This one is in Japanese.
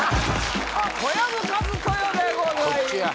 小籔千豊でございます